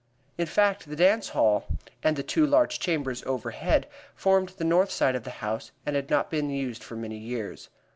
In fact, the dance hall and the two large chambers overhead formed the north side of the house and had not been used for many years.